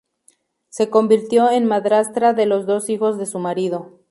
Se convirtió en madrastra de los dos hijos de su marido.